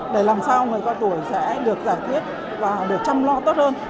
để làm sao người cao tuổi sẽ được giải thích và được chăm lo tốt hơn